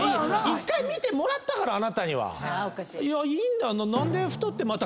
１回見てもらったからあなたには。いやいいんだ。